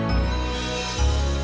biar makanin dulu mah